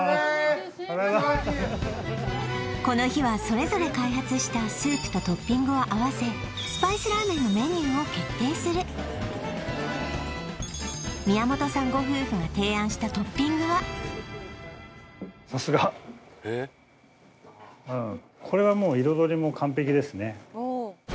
忙しいのにこの日はそれぞれ開発したスープとトッピングを合わせスパイスラーメンのメニューを決定する宮本さんご夫婦が提案したトッピングはこれはもう彩りも完璧ですね